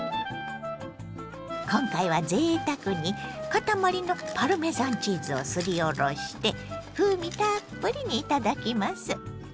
今回はぜいたくに塊のパルメザンチーズをすりおろして風味たっぷりに頂きます。